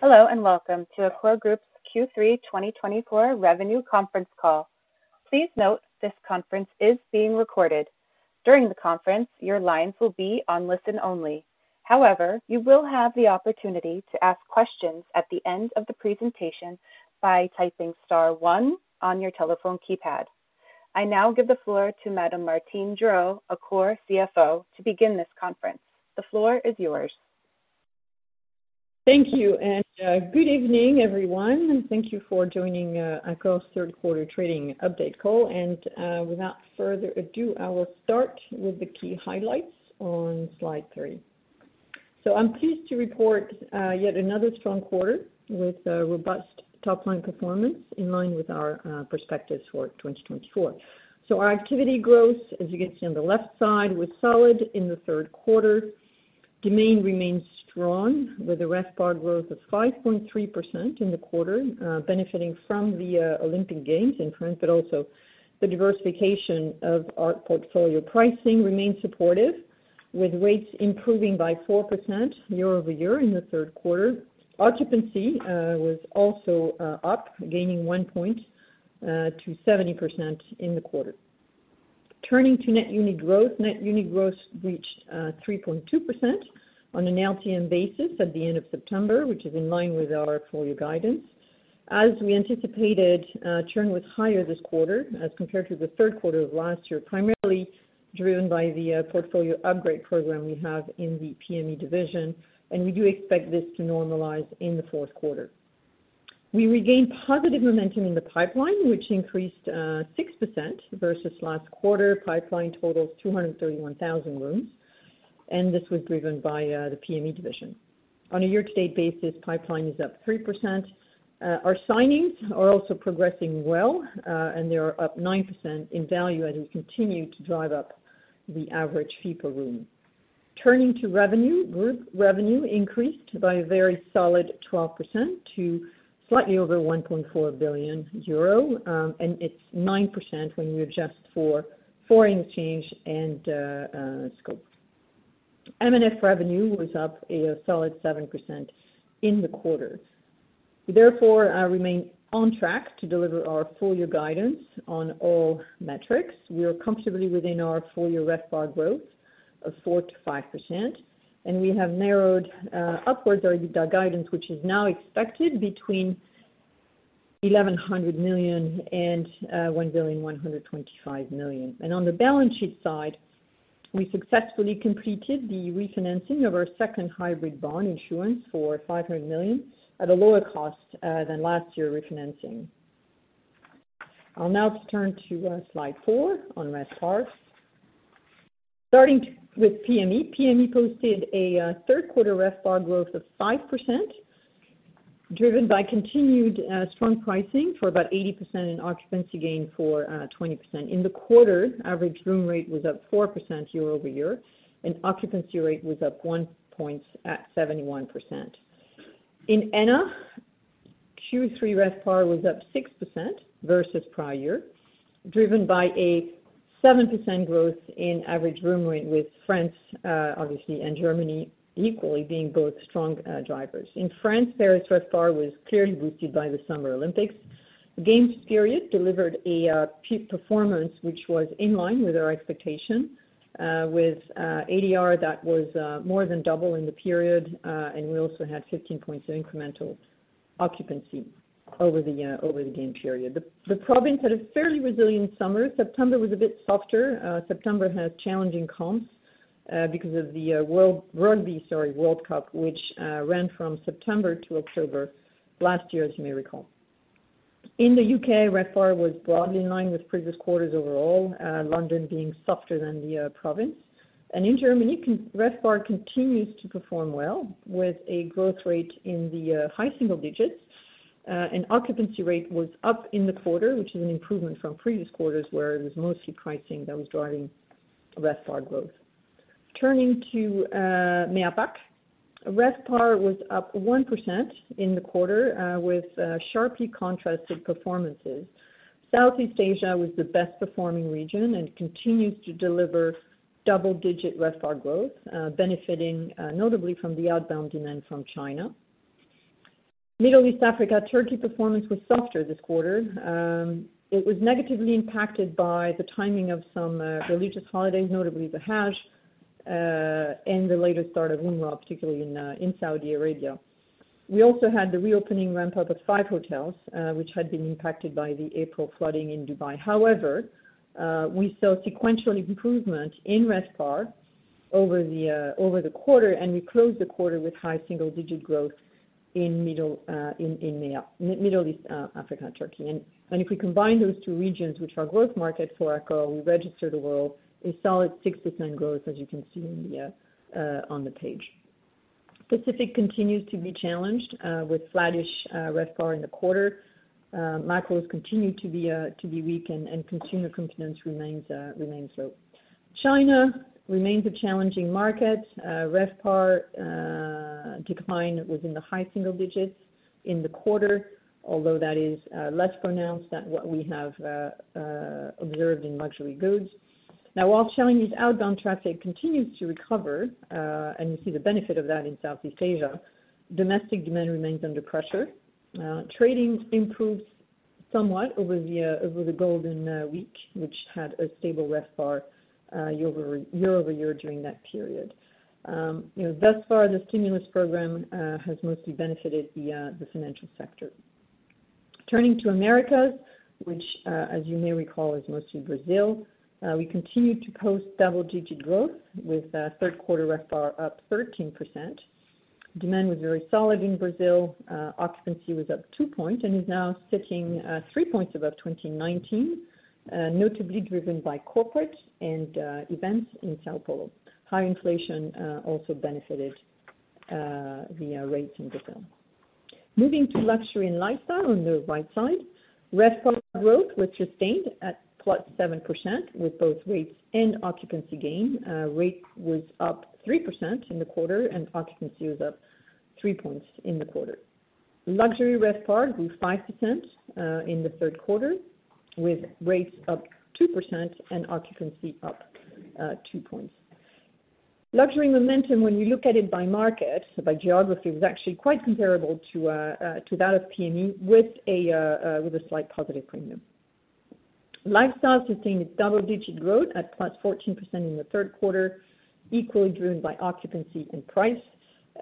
Hello, and welcome to Accor Group's Q3 2024 revenue conference call. Please note, this conference is being recorded. During the conference, your lines will be on listen only. However, you will have the opportunity to ask questions at the end of the presentation by typing star one on your telephone keypad. I now give the floor to Madame Martine Gerow, Accor CFO, to begin this conference. The floor is yours. Thank you, and good evening, everyone, and thank you for joining Accor's third quarter trading update call. And without further ado, I will start with the key highlights on slide three. So I'm pleased to report yet another strong quarter with a robust top line performance in line with our perspectives for 2024. So our activity growth, as you can see on the left side, was solid in the third quarter. Demand remains strong, with a RevPAR growth of 5.3% in the quarter, benefiting from the Olympic Games in France, but also the diversification of our portfolio. Pricing remains supportive, with rates improving by 4% year-over-year in the third quarter. Occupancy was also up, gaining one point to 70% in the quarter. Turning to net unit growth. Net unit growth reached 3.2% on an LTM basis at the end of September, which is in line with our full-year guidance. As we anticipated, churn was higher this quarter as compared to the third quarter of last year, primarily driven by the portfolio upgrade program we have in the PM&E division, and we do expect this to normalize in the fourth quarter. We regained positive momentum in the pipeline, which increased 6% versus last quarter. Pipeline totals 231,000 rooms, and this was driven by the PM&E division. On a year-to-date basis, pipeline is up 3%. Our signings are also progressing well, and they are up 9% in value as we continue to drive up the average fee per room. Turning to revenue. Group revenue increased by a very solid 12% to slightly over 1.4 billion euro, and it's 9% when we adjust for foreign exchange and scope. M&F revenue was up a solid 7% in the quarter. We therefore remain on track to deliver our full-year guidance on all metrics. We are comfortably within our full-year RevPAR growth of 4% to 5%, and we have narrowed upwards our guidance, which is now expected between 1.1 billion and 1.125 billion. And on the balance sheet side, we successfully completed the refinancing of our second hybrid bond issuance for 500 million at a lower cost than last year refinancing. I'll now turn to slide 4 on RevPAR. Starting with PM&E. PM&E posted a third quarter RevPAR growth of 5%, driven by continued strong pricing for about 80% and occupancy gain for 20%. In the quarter, average room rate was up 4% year-over-year, and occupancy rate was up 1 point at 71%. In ENA, Q3 RevPAR was up 6% versus prior year, driven by a 7% growth in average room rate, with France obviously and Germany equally being both strong drivers. In France, Paris RevPAR was clearly boosted by the Summer Olympics. Games period delivered a peak performance, which was in line with our expectation with ADR that was more than double in the period and we also had 15 points of incremental occupancy over the game period. The province had a fairly resilient summer. September was a bit softer. September had challenging comps because of the Rugby World Cup, which ran from September to October last year, as you may recall. In the U.K., RevPAR was broadly in line with previous quarters overall, London being softer than the provinces, and in Germany, RevPAR continues to perform well, with a growth rate in the high single digits. And occupancy rate was up in the quarter, which is an improvement from previous quarters, where it was mostly pricing that was driving RevPAR growth. Turning to MEAPAC, RevPAR was up 1% in the quarter, with sharply contrasted performances. Southeast Asia was the best performing region and continues to deliver double-digit RevPAR growth, benefiting notably from the outbound demand from China. Middle East, Africa, Turkey performance was softer this quarter. It was negatively impacted by the timing of some religious holidays, notably the Hajj, and the later start of Umrah, particularly in Saudi Arabia. We also had the reopening ramp up of five hotels, which had been impacted by the April flooding in Dubai. However, we saw sequential improvement in RevPAR over the quarter, and we closed the quarter with high single-digit growth in MEA, Middle East, Africa, and Turkey, and if we combine those two regions, which are growth markets for Accor, we registered a solid 6% growth, as you can see on the page. Pacific continues to be challenged with flattish RevPAR in the quarter. Macros continue to be weak and consumer confidence remains low. China remains a challenging market. RevPAR decline was in the high single digits in the quarter, although that is less pronounced than what we have observed in luxury goods. Now, while Chinese outbound traffic continues to recover, and you see the benefit of that in Southeast Asia, domestic demand remains under pressure. Trading improved somewhat over the Golden Week, which had a stable RevPAR year-over-year during that period. You know, thus far, the stimulus program has mostly benefited the financial sector. Turning to Americas, which, as you may recall, is mostly Brazil. We continued to post double-digit growth with third quarter RevPAR up 13%. Demand was very solid in Brazil. Occupancy was up two points, and is now sitting three points above 2019, notably driven by corporate and events in São Paulo. High inflation also benefited the rates in Brazil. Moving to luxury and lifestyle on the right side, RevPAR growth was sustained at +7% with both rates and occupancy gain. Rate was up 3% in the quarter, and occupancy was up three points in the quarter. Luxury RevPAR grew 5% in the third quarter, with rates up 2% and occupancy up two points. Luxury momentum, when you look at it by market, by geography, was actually quite comparable to that of PM&E with a slight positive premium. Lifestyle sustained its double-digit growth at +14% in the third quarter, equally driven by occupancy and price.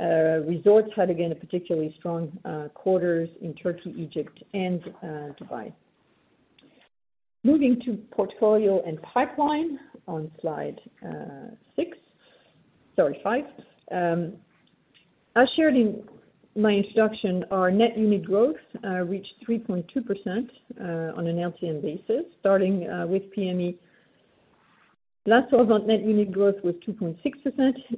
Resorts had, again, a particularly strong quarters in Turkey, Egypt, and Dubai. Moving to portfolio and pipeline on slide six, sorry, five. As shared in my introduction, our net unit growth reached 3.2% on an LTM basis, starting with PME. Last 12 on net unit growth was 2.6%.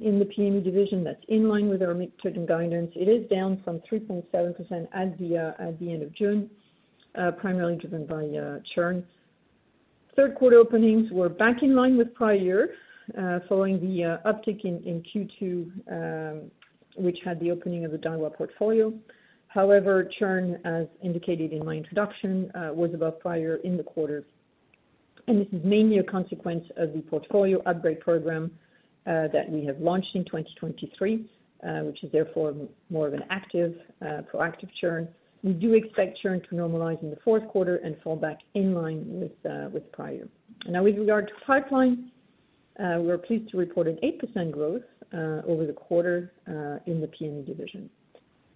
In the PME division, that's in line with our mid-term guidance. It is down from 3.7% at the end of June, primarily driven by churn. Third quarter openings were back in line with prior years, following the uptick in Q2, which had the opening of the Daiwa portfolio. However, churn, as indicated in my introduction, was above prior in the quarter, and this is mainly a consequence of the Portfolio Upgrade Program that we have launched in 2023, which is therefore more of an active, proactive churn. We do expect churn to normalize in the fourth quarter and fall back in line with prior. Now, with regard to pipeline, we're pleased to report an 8% growth over the quarter in the PME division.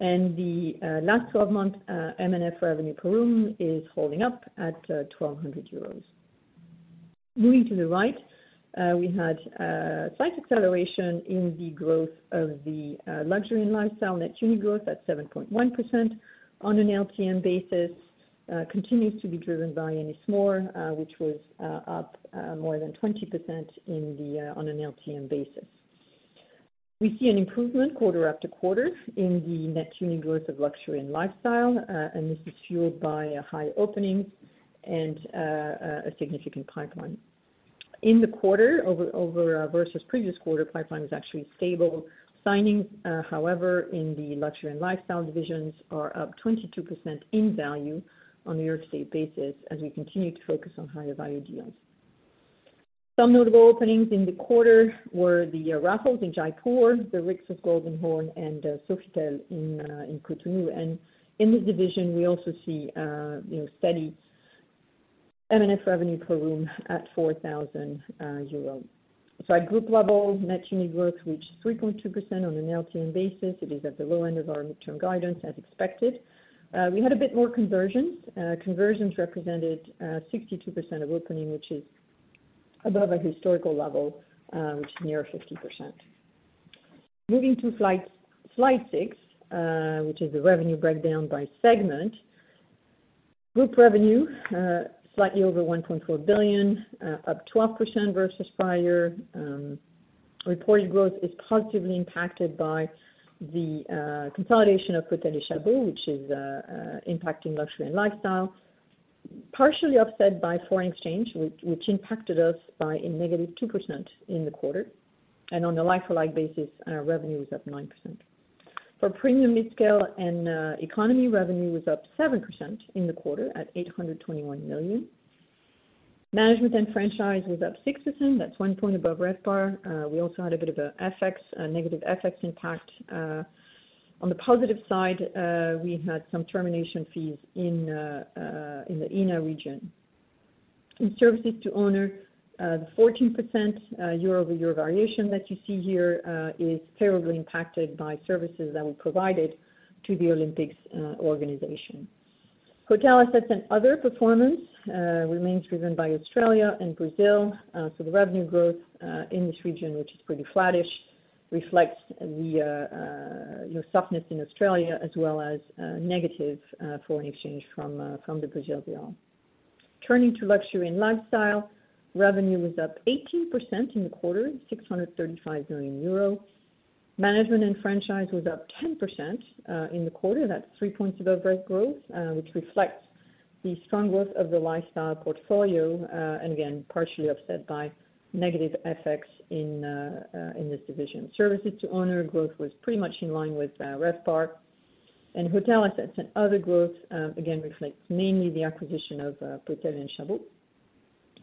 And the last twelve month M&F revenue per room is holding up at 1,200 euros. Moving to the right, we had slight acceleration in the growth of the luxury and lifestyle net unit growth at 7.1% on an LTM basis. It continues to be driven by Ennismore, which was up more than 20% on an LTM basis. We see an improvement quarter after quarter in the net unit growth of luxury and lifestyle, and this is fueled by a high opening and a significant pipeline. In the quarter, overall versus previous quarter, pipeline was actually stable. Signing, however, in the luxury and lifestyle divisions are up 22% in value on a year-to-date basis, as we continue to focus on higher value deals. Some notable openings in the quarter were the Raffles in Jaipur, the Rixos of Golden Horn, and Sofitel in Cotonou. In this division, we also see, you know, steady M&F revenue per room at 4,000 euros. At group level, net unit growth reached 3.2% on an LTM basis. It is at the low end of our midterm guidance as expected. We had a bit more conversions. Conversions represented 62% of opening, which is above our historical level, which is near 50%. Moving to slide six, which is the revenue breakdown by segment. Group revenue slightly over 1.4 billion, up 12% versus prior. Reported growth is positively impacted by the consolidation of Potel et Chabot, which is impacting luxury and lifestyle, partially offset by foreign exchange, which impacted us by a negative 2% in the quarter. On a like-for-like basis, revenue was up 9%. For premium midscale and economy revenue was up 7% in the quarter at 821 million. Management and franchise was up 6%, that's one point above RevPAR. We also had a bit of a FX, a negative FX impact. On the positive side, we had some termination fees in the ENA region. In services to owners, the 14% year-over-year variation that you see here is mainly impacted by services that we provided to the Olympics organization. Hotel assets and other performance remains driven by Australia and Brazil. So the revenue growth in this region, which is pretty flattish, reflects the you know softness in Australia as well as negative foreign exchange from the Brazil deal. Turning to luxury and lifestyle, revenue was up 18% in the quarter, 635 million euro. Management and franchise was up 10% in the quarter. That's three points above RevPAR growth, which reflects the strong growth of the lifestyle portfolio, and again, partially upset by negative effects in this division. Services to owners growth was pretty much in line with RevPAR. Hotel assets and other growth, again, reflects mainly the acquisition of, Potel et Chabot,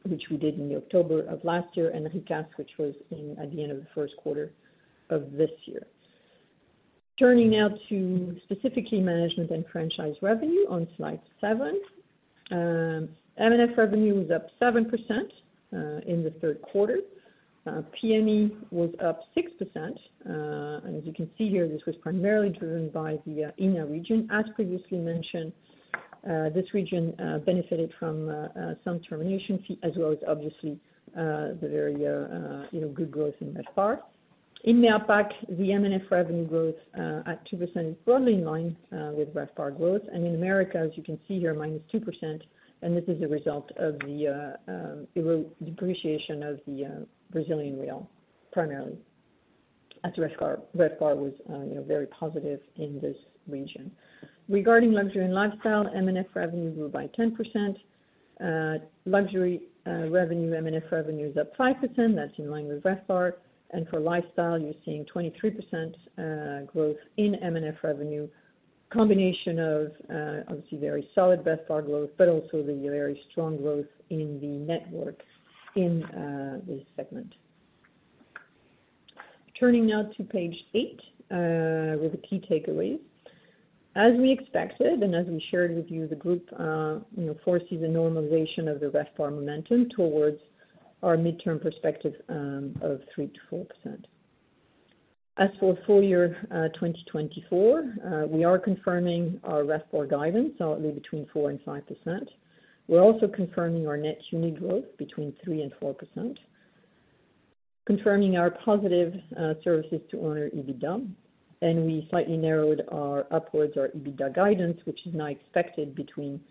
which we did in October of last year, and Rikas, which was in, at the end of the first quarter of this year. Turning now to specifically management and franchise revenue on slide seven. M&F revenue was up 7%, in the third quarter. PME was up 6%, and as you can see here, this was primarily driven by the, India region. As previously mentioned, this region, benefited from, some termination fee, as well as obviously, the very, you know, good growth in RevPAR. In APAC, the M&F revenue growth, at 2% is broadly in line, with RevPAR growth. And in America, as you can see here, minus 2%, and this is a result of the depreciation of the Brazilian real, primarily. RevPAR was you know very positive in this region. Regarding luxury and lifestyle, M&F revenue grew by 10%. Luxury M&F revenue is up 5%. That's in line with RevPAR. And for lifestyle, you're seeing 23% growth in M&F revenue. Combination of obviously very solid RevPAR growth, but also the very strong growth in the network in this segment. Turning now to page eight with the key takeaways. As we expected, and as we shared with you, the group you know foresees a normalization of the RevPAR momentum towards our midterm perspective of 3%-4%. As for full-year 2024, we are confirming our RevPAR guidance, so it'll be between 4% and 5%. We're also confirming our net unit growth between 3% and 4%, confirming our positive services to owners EBITDA, and we slightly narrowed our upwards our EBITDA guidance, which is now expected between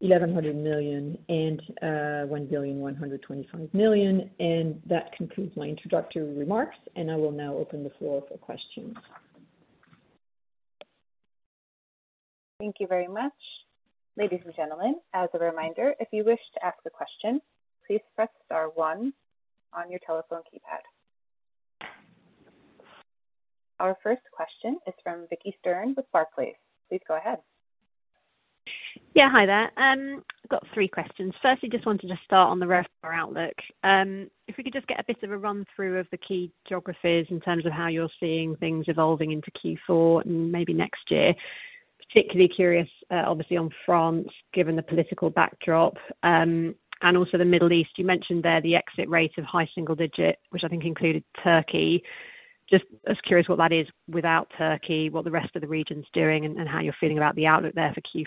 1,100 million and 1.125 billion. And that concludes my introductory remarks, and I will now open the floor for questions. Thank you very much. Ladies and gentlemen, as a reminder, if you wish to ask a question, please press star one on your telephone keypad. Our first question is from Vicki Stern with Barclays. Please go ahead. Yeah, hi there. I've got three questions. Firstly, just wanted to start on the RevPAR outlook. If we could just get a bit of a run through of the key geographies in terms of how you're seeing things evolving into Q4 and maybe next year. Particularly curious, obviously on France, given the political backdrop, and also the Middle East. You mentioned there the exit rate of high single digit, which I think included Turkey. Just as curious what that is without Turkey, what the rest of the region's doing and, and how you're feeling about the outlook there for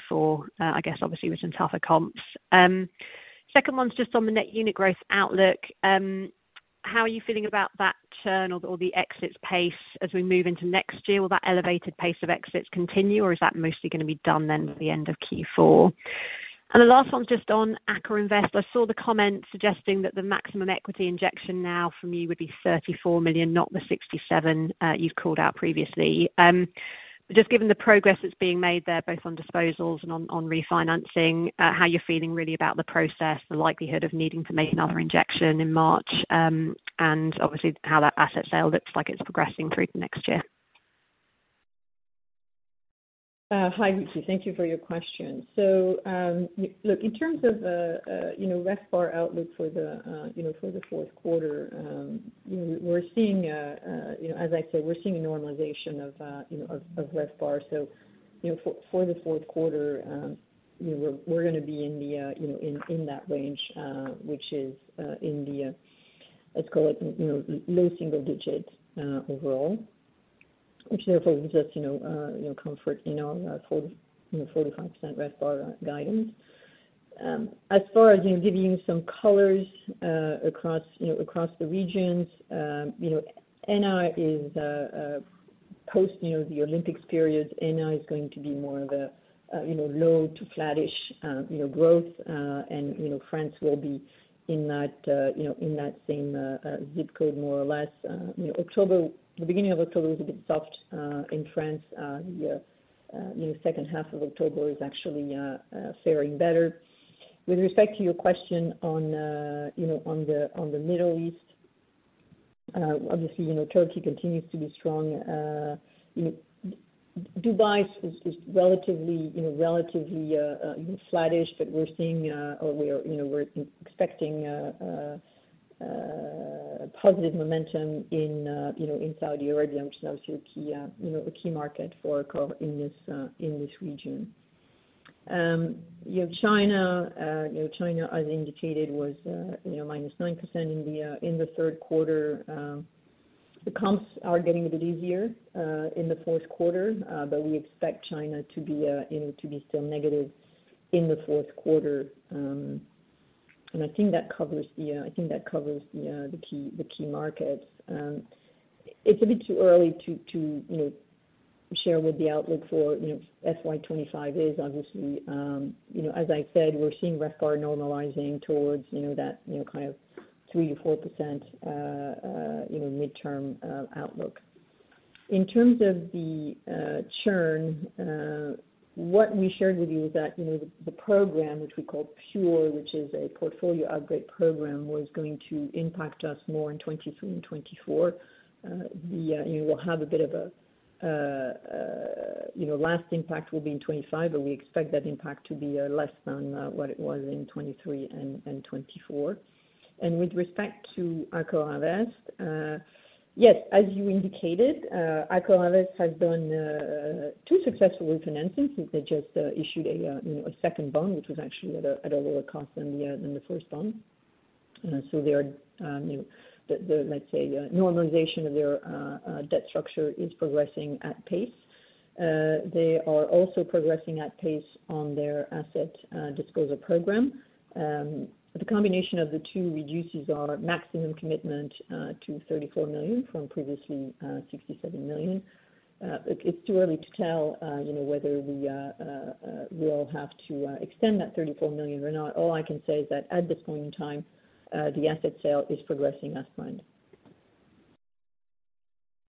Q4, I guess obviously with some tougher comps. Second one's just on the net unit growth outlook. How are you feeling about that turn or the exits pace as we move into next year? Will that elevated pace of exits continue, or is that mostly gonna be done then by the end of Q4? And the last one, just on AccorInvest. I saw the comment suggesting that the maximum equity injection now from you would be 34 million, not the 67 million, you've called out previously. Just given the progress that's being made there, both on disposals and on refinancing, how you're feeling really about the process, the likelihood of needing to make another injection in March, and obviously how that asset sale looks like it's progressing through to next year? Hi, Vicki. Thank you for your question. Look, in terms of, you know, RevPAR outlook for the, you know, for the fourth quarter, you know, we're seeing, you know, as I said, we're seeing a normalization of, you know, of RevPAR. You know, for the fourth quarter, you know, we're gonna be in the, you know, in that range, which is, in the, let's call it, you know, low single digit, overall. Which therefore just, you know, comfort in our 40-45% RevPAR guidance. As far as, you know, giving you some color across the regions, you know, post the Olympics period, RevPAR is going to be more of a low to flattish growth. And, you know, France will be in that, you know, in that same zip code more or less. You know, October, the beginning of October was a bit soft in France. The second half of October is actually faring better. With respect to your question on the Middle East, obviously, you know, Turkey continues to be strong. You know, Dubai is relatively flattish, but we're seeing, or we are, you know, we're expecting positive momentum in, you know, in Saudi Arabia, which is obviously a key, you know, a key market for Accor in this region. You know, China, as indicated, was -9% in the third quarter. The comps are getting a bit easier in the fourth quarter, but we expect China to be, you know, still negative in the fourth quarter. And I think that covers the key markets. It's a bit too early to, you know, share what the outlook for FY 2025 is. Obviously, you know, as I said, we're seeing RevPAR normalizing towards, you know, that, you know, kind of 3-4%, midterm outlook. In terms of the churn, what we shared with you is that, you know, the program, which we call Pure, which is a portfolio upgrade program, was going to impact us more in 2023 and 2024. You will have a bit of a, you know, last impact will be in 2025, but we expect that impact to be less than what it was in 2023 and 2024. With respect to AccorInvest, yes, as you indicated, AccorInvest has done two successful refinancings. They just issued a you know a second bond, which was actually at a lower cost than the first bond, so they are you know the let's say debt structure is progressing at pace. They are also progressing at pace on their asset disposal program. The combination of the two reduces our maximum commitment to 34 million from previously 67 million. It's too early to tell you know whether we will have to extend that 34 million or not. All I can say is that at this point in time the asset sale is progressing as planned.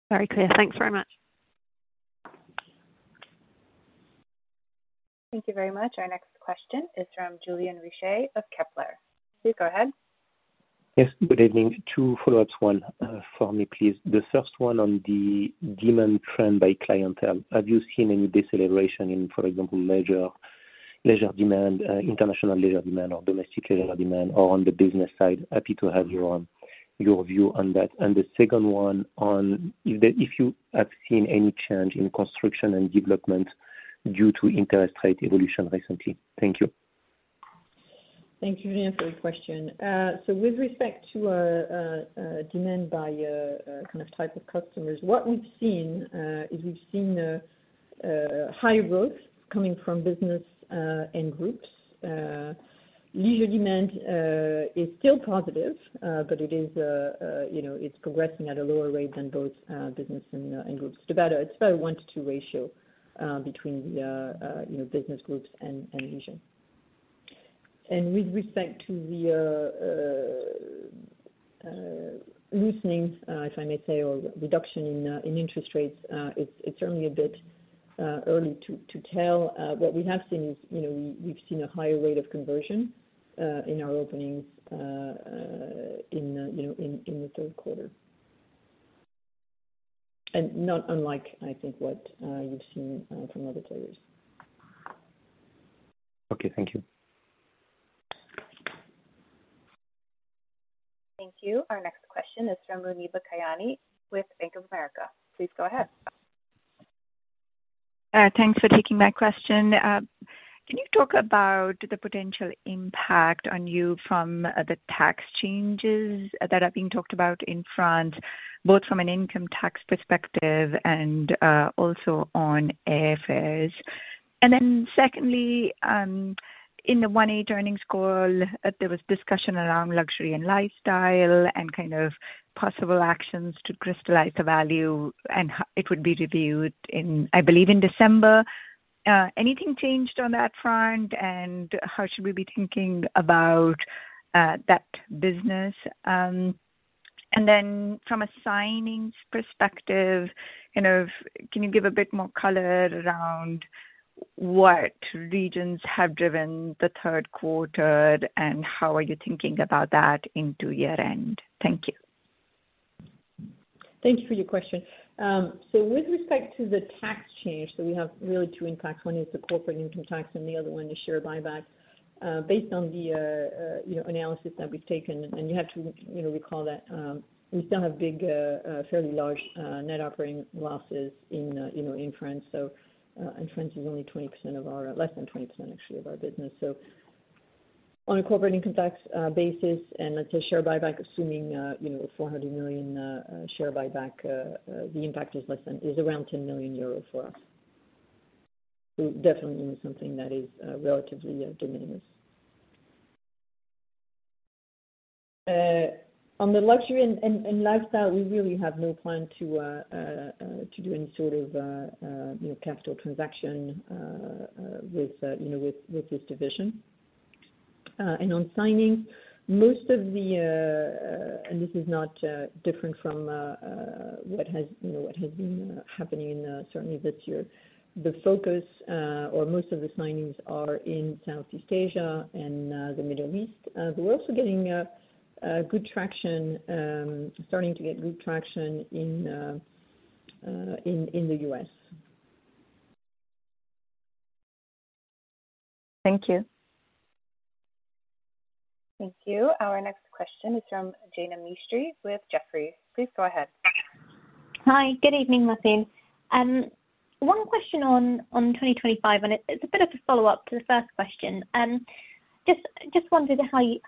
Very clear. Thanks very much. Thank you very much. Our next question is from Julien Richer of Kepler. Please go ahead. Yes, good evening. Two follow-ups, one for me, please. The first one on the demand trend by clientele. Have you seen any deceleration in, for example, leisure demand, international leisure demand or domestic leisure demand, or on the business side? Happy to have you on, your view on that. And the second one on if you have seen any change in construction and development due to interest rate evolution recently? Thank you. Thank you for your question. So with respect to demand by kind of type of customers, what we've seen is we've seen high growth coming from business and groups. Leisure demand is still positive, but it is, you know, it's progressing at a lower rate than both business and groups. It's about a one-to-two ratio between the, you know, business groups and leisure. And with respect to the loosening, if I may say, or reduction in interest rates, it's certainly a bit early to tell. What we have seen is, you know, we've seen a higher rate of conversion in our openings in the third quarter. And not unlike, I think what you've seen from other traders. Okay. Thank you. Thank you. Our next question is from Muneeba Kayani, with Bank of America. Please go ahead. Thanks for taking my question. Can you talk about the potential impact on you from the tax changes that are being talked about in France, both from an income tax perspective and also on airfares? And then secondly, in the Q1 earnings call, there was discussion around luxury and lifestyle, and kind of possible actions to crystallize the value, and it would be reviewed in, I believe, in December. Anything changed on that front, and how should we be thinking about that business? And then from a signings perspective, kind of, can you give a bit more color around what regions have driven the third quarter, and how are you thinking about that into year-end? Thank you. Thank you for your question. So with respect to the tax change, so we have really two impacts. One is the corporate income tax, and the other one is share buyback. Based on the, you know, analysis that we've taken, and you have to, you know, recall that, we still have big, fairly large, net operating losses in, you know, in France. So, and France is only 20% of our... Less than 20%, actually, of our business. So on a corporate income tax, basis, and let's say share buyback, assuming, you know, 400 million share buyback, the impact is less than, is around 10 million euro for us. So definitely something that is, relatively, de minimis. On the luxury and lifestyle, we really have no plan to do any sort of, you know, capital transaction with, you know, with this division, and on signing, most of the, and this is not different from what has, you know, been happening in certainly this year, the focus or most of the signings are in Southeast Asia and the Middle East, but we're also getting good traction starting to get good traction in the U.S. Thank you. Thank you. Our next question is from Jaina Mistry, with Jefferies. Please go ahead. Hi. Good evening, Mathilde. One question on 2025, and it's a bit of a follow-up to the first question. Just wondered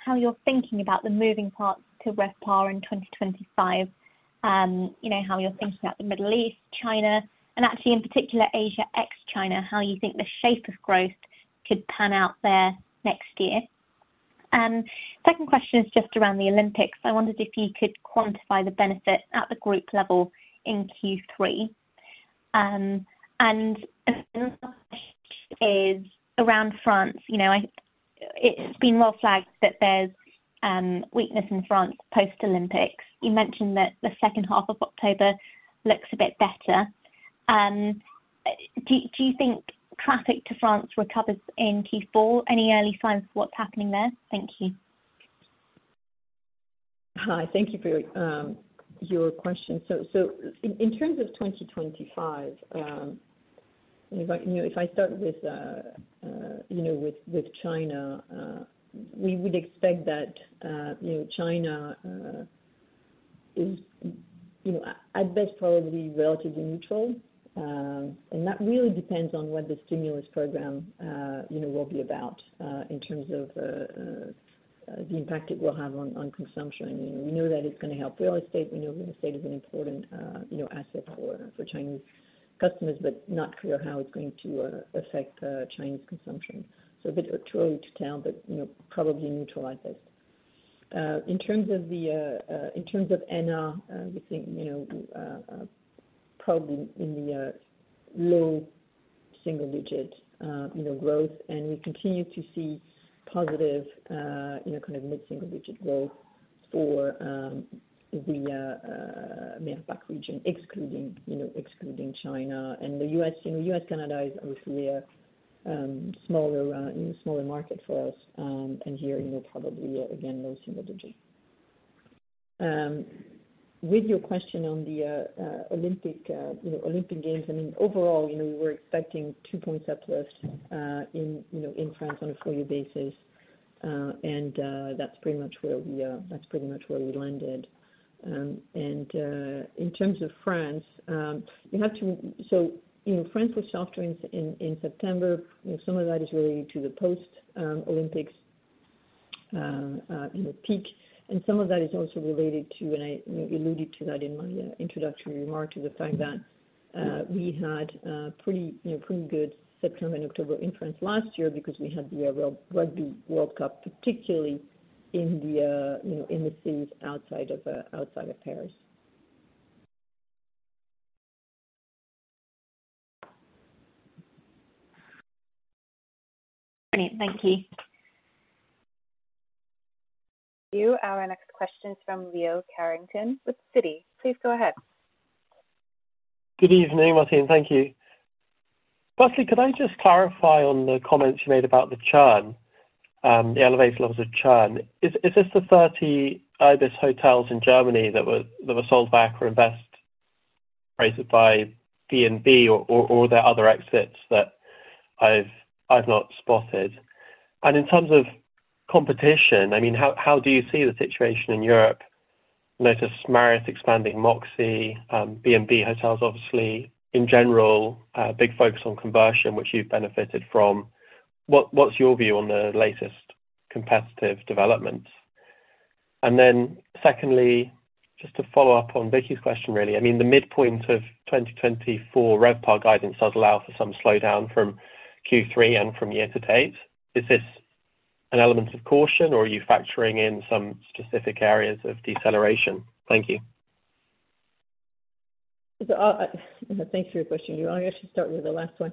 how you're thinking about the moving parts to RevPAR in 2025. You know, how you're thinking about the Middle East, China, and actually in particular, Asia ex-China, how you think the shape of growth could pan out there next year? Second question is just around the Olympics. I wondered if you could quantify the benefit at the group level in Q3. And another is around France. You know, it's been well flagged that there's weakness in France post-Olympics. You mentioned that the second half of October looks a bit better. Do you think traffic to France recovers in Q4? Any early signs of what's happening there? Thank you. Hi, thank you for your question. So in terms of 2025, if I start with China, we would expect that China is at best probably relatively neutral. And that really depends on what the stimulus program will be about in terms of the impact it will have on consumption. We know that it's gonna help real estate. We know real estate is an important asset for Chinese customers, but not clear how it's going to affect Chinese consumption. So a bit too early to tell, but probably neutral I think. In terms of NR, we think, you know, probably in the low single digits, you know, growth, and we continue to see positive, you know, kind of mid-single digit growth for the MEAPAC region, excluding, you know, excluding China. And the US, you know, US, Canada is obviously a smaller, smaller market for us, and here, you know, probably, again, low single digit. With your question on the Olympic, you know, Olympic Games, I mean, overall, you know, we were expecting two points uplift, in, you know, in France on a full-year basis. And, that's pretty much where we, that's pretty much where we landed. In terms of France, you know, France was softer in September. You know, some of that is related to the post Olympics, you know, peak. And some of that is also related to, and I, you know, alluded to that in my introductory remark, to the fact that we had pretty good September and October in France last year because we had the Rugby World Cup, particularly in the, you know, in the cities outside of Paris. Great. Thank you. Our next question is from Leo Carrington with Citi. Please go ahead. Good evening, Martine, thank you. Firstly, could I just clarify on the comments you made about the churn, the elevated levels of churn. Is this the 30 Ibis hotels in Germany that were sold back to AccorInvest by B&B, or are there other exits that I've not spotted? And in terms of competition, I mean, how do you see the situation in Europe? Notice Marriott expanding Moxy, B&B hotels, obviously, in general, big focus on conversion, which you've benefited from. What's your view on the latest competitive developments? And then, secondly, just to follow up on Vicki's question, really, I mean, the midpoint of 2024 RevPAR guidance does allow for some slowdown from Q3 and from year to date. Is this an element of caution, or are you factoring in some specific areas of deceleration? Thank you. Thanks for your question, Leo. I'll actually start with the last one.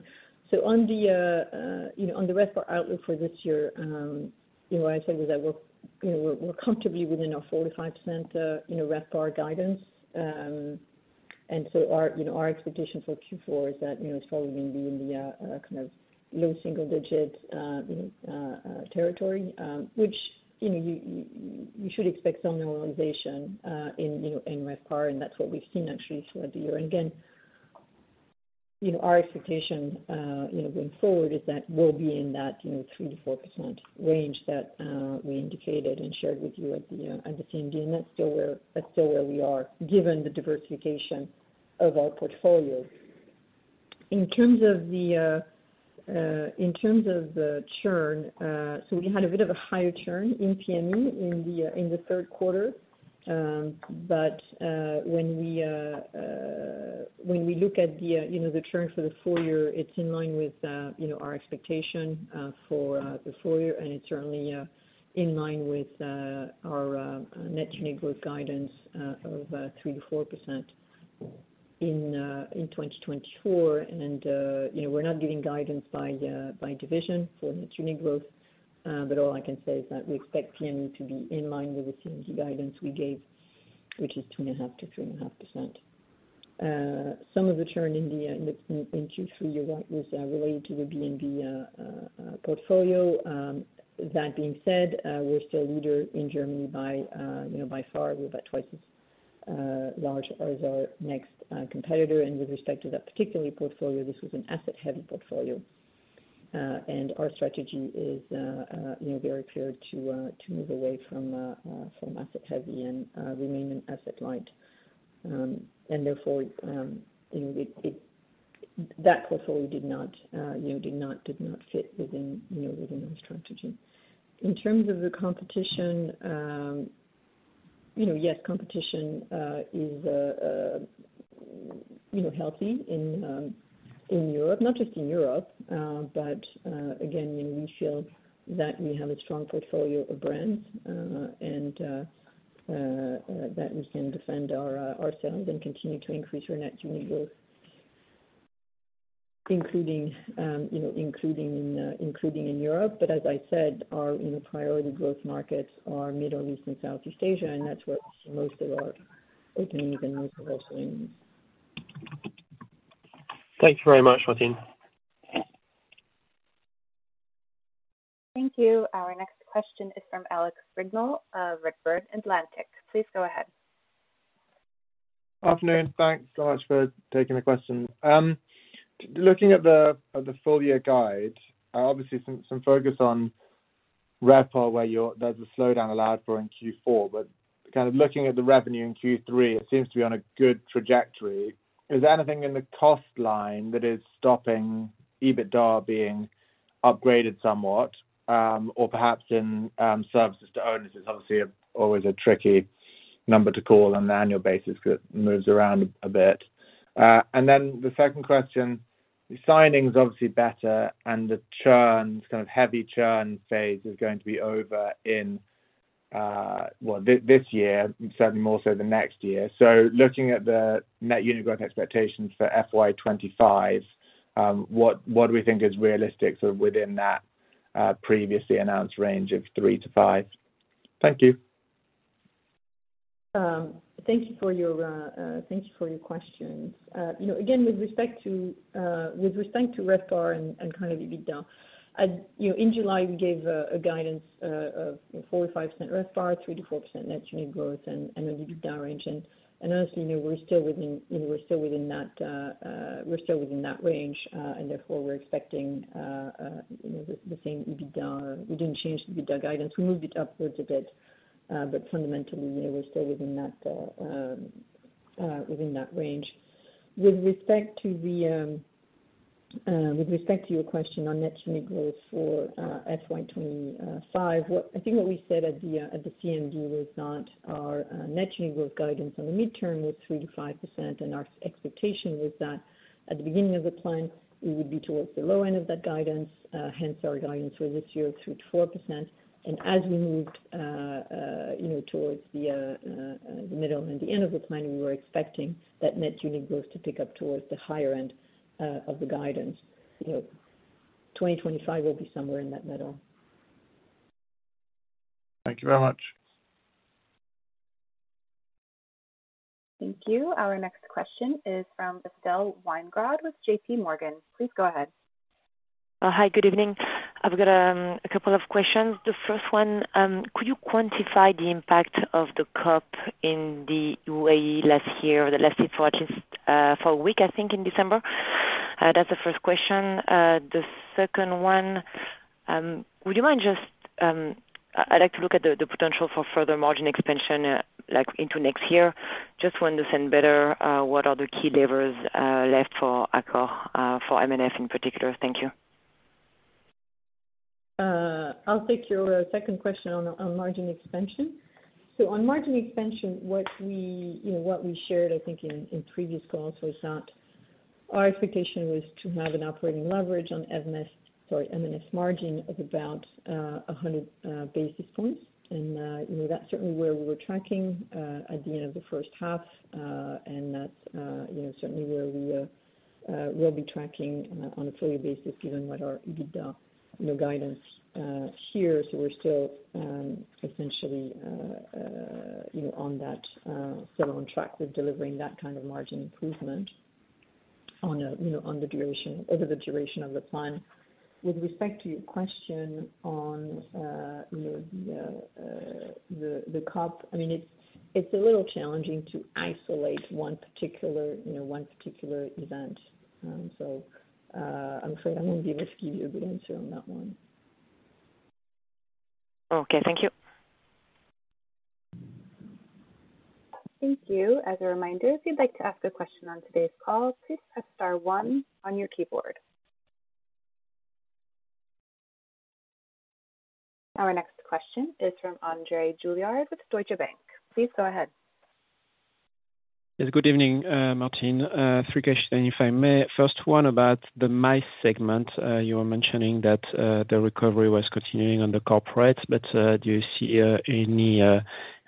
On the RevPAR outlook for this year, you know, what I said was that we're, you know, comfortably within our 4%-5% RevPAR guidance. Our expectation for Q4 is that, you know, it's probably going to be in the kind of low single digits, you know, territory. Which, you know, you should expect some normalization in, you know, in RevPAR, and that's what we've seen actually throughout the year. And again, you know, our expectation, going forward is that we'll be in that, you know, 3-4% range that we indicated and shared with you at the CMD. That's still where, that's still where we are, given the diversification of our portfolios. In terms of the churn, so we had a bit of a higher churn in PM&E in the third quarter. But when we look at the, you know, the churn for the full-year, it's in line with, you know, our expectation for the full-year, and it's certainly in line with our net unit growth guidance of 3-4% in 2024. We're not giving guidance by division for net unit growth, but all I can say is that we expect PME to be in line with the company guidance we gave, which is 2.5%-3.5%. Some of the churn in Q3 was related to the B&B portfolio. That being said, we're still leader in Germany by far. We're about twice as large as our next competitor. And with respect to that particular portfolio, this was an asset-heavy portfolio. And our strategy is very clear to move away from asset-heavy and remain in asset-light. And therefore, you know, that portfolio did not fit within, you know, within our strategy. In terms of the competition, you know, yes, competition is healthy in Europe, not just in Europe. But again, you know, we feel that we have a strong portfolio of brands, and that we can defend our sales and continue to increase our net unit growth, including, you know, including in Europe. But as I said, our priority growth markets are Middle East and Southeast Asia, and that's where most of our openings and also signings. Thanks very much, Martine. Thank you. Our next question is from Alex Brignall of Redburn Atlantic. Please go ahead. Good afternoon. Thanks so much for taking the question. Looking at the full-year guide, obviously some focus on RevPAR, where there's a slowdown allowed for in Q4. But kind of looking at the revenue in Q3, it seems to be on a good trajectory. Is there anything in the cost line that is stopping EBITDA being upgraded somewhat, or perhaps in services to owners is obviously always a tricky number to call on an annual basis because it moves around a bit. And then the second question, the signing's obviously better, and the churn, this kind of heavy churn phase is going to be over in, well, this year and certainly more so the next year. Looking at the net unit growth expectations for FY 2025, what do we think is realistic, sort of within that previously announced range of three to five? Thank you. Thank you for your questions. You know, again, with respect to RevPAR and kind of EBITDA, you know, in July, we gave a guidance of 4-5% RevPAR, 3-4% net unit growth and an EBITDA range. And honestly, you know, we're still within that range. And therefore, we're expecting, you know, the same EBITDA. We didn't change the EBITDA guidance. We moved it upwards a bit, but fundamentally, you know, we're still within that range. With respect to your question on net unit growth for FY 2025, I think what we said at the CMG was our net unit growth guidance on the midterm was 3%-5%, and our expectation was that at the beginning of the plan, we would be towards the low end of that guidance. Hence, our guidance for this year of 3%-4%. And as we moved, you know, towards the middle and the end of the planning, we were expecting that net unit growth to pick up towards the higher end of the guidance. You know, 2025 will be somewhere in that middle. Thank you very much. Thank you. Our next question is from Estelle Weingrod with JPMorgan. Please go ahead. Hi, good evening. I've got a couple of questions. The first one, could you quantify the impact of the COP in the UAE last year, that lasted for at least for a week, I think, in December? That's the first question. The second one, would you mind just, I'd like to look at the, the potential for further margin expansion, like into next year? Just to understand better, what other key levers left for Accor, for M&F in particular. Thank you. I'll take your second question on margin expansion. On margin expansion, what we, you know, what we shared, I think in previous calls, was that our expectation was to have an operating leverage on M&F, sorry, M&F margin of about 100 basis points. You know, that's certainly where we were tracking at the end of the first half. That's you know, certainly where we will be tracking on a full-year basis, given what our EBITDA you know, guidance here. We're still essentially you know, on that, still on track with delivering that kind of margin improvement on a you know, on the duration, over the duration of the plan. With respect to your question on, you know, the COP, I mean, it's a little challenging to isolate one particular event. So, I'm afraid I'm not gonna be able to give you a good answer on that one. Okay, thank you. Thank you. As a reminder, if you'd like to ask a question on today's call, please press star one on your keyboard. Our next question is from André Juillard with Deutsche Bank. Please go ahead. Yes, good evening, Martine. Three questions, if I may. First one about the MICE segment. You were mentioning that the recovery was continuing on the corporate, but do you see any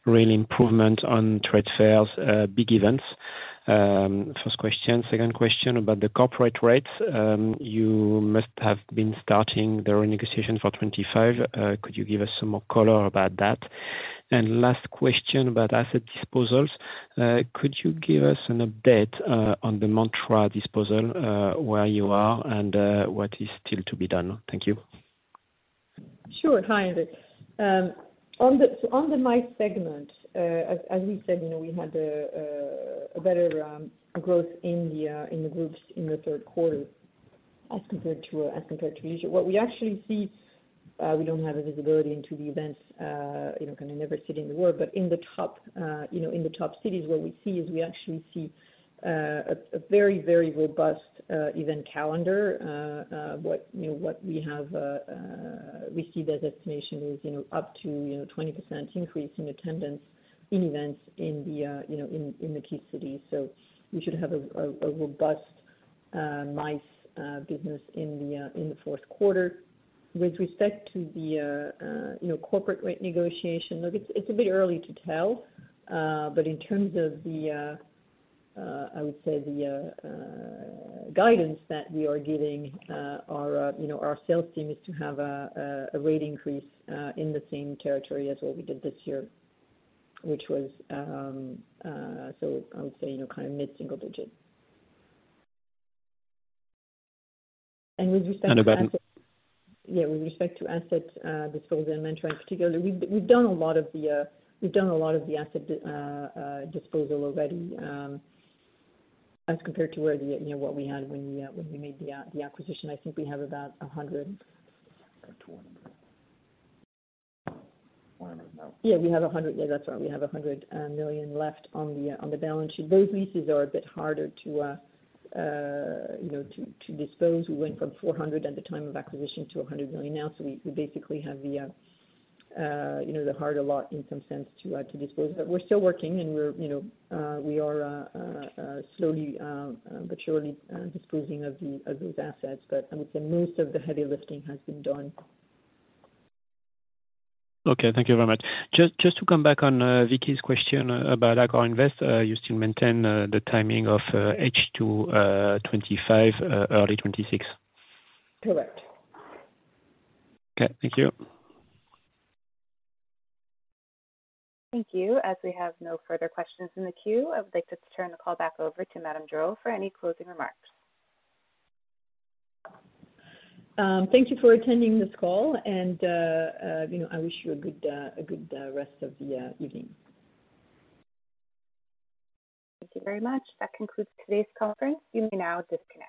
real improvement on trade fairs, big events? First question. Second question about the corporate rates. You must have been starting the renegotiation for 2025. Could you give us some more color about that? And last question about asset disposals. Could you give us an update on the Mantra disposal, where you are and what is still to be done? Thank you. Sure. Hi, André. On the MICE segment, as we said, you know, we had a better growth in the groups in the third quarter as compared to usual. What we actually see, we don't have a visibility into the events, you know, kind of never seen in the world, but in the top cities, what we see is we actually see a very, very robust event calendar. What we have received for destinations is, you know, up to 20% increase in attendance in events in the key cities. So we should have a robust MICE business in the fourth quarter. With respect to the, you know, corporate rate negotiation, look, it's a bit early to tell. But in terms of the, I would say the guidance that we are giving, our, you know, our sales team is to have a rate increase in the same territory as what we did this year, which was, so I would say, you know, kind of mid-single digit. And with respect to- Anna Button. Yeah, with respect to asset disposal and management, particularly, we've done a lot of the asset disposal already, as compared to where, you know, what we had when we made the acquisition. I think we have about a hundred- Or twenty. I don't know. Yeah, we have 100 million. Yeah, that's right. We have 100 million left on the balance sheet. Those leases are a bit harder to, you know, to dispose. We went from 400 million at the time of acquisition to 100 million now. So we basically have the, you know, the harder lot in some sense to dispose. But we're still working, and we're, you know, we are slowly but surely disposing of those assets. But I would say most of the heavy lifting has been done. Okay, thank you very much. Just to come back on Vicki's question about AccorInvest. You still maintain the timing of H2 2025, early 2026? Correct. Okay, thank you. Thank you. As we have no further questions in the queue, I would like to turn the call back over to Madame Gerow for any closing remarks. Thank you for attending this call, and you know, I wish you a good rest of the evening. Thank you very much. That concludes today's conference. You may now disconnect.